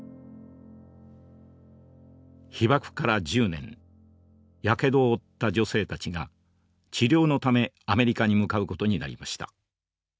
被爆から１０年やけどを負った女性たちが治療のためアメリカに向かう事になりました。